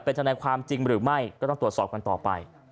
ทนายความจริงหรือไม่ก็ต้องตรวจสอบกันต่อไป